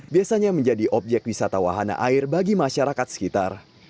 biasanya menjadi objek wisata wahana air bagi masyarakat sekitar